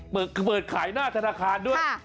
เปิดขายหน้าธนาคารด้วย